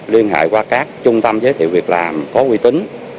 liên hệ qua các trung tâm giới thiệu việc làm có quy tính